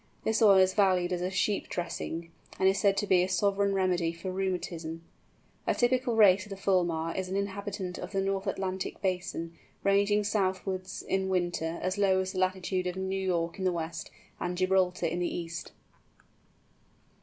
This oil is valued as a sheep dressing, and is said to be a sovereign remedy for rheumatism. The typical race of the Fulmar is an inhabitant of the North Atlantic basin, ranging southwards in winter as low as the latitude of New York in the west, and Gibraltar in the east.